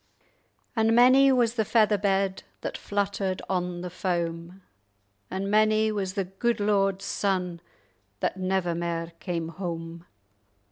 "And many was the feather bed That fluttered on the foam; And many was the gude lord's son That never mair came home!